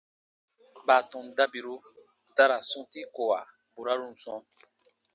Baatɔn dabiru ta ra sɔ̃ti ko burarun sɔ̃,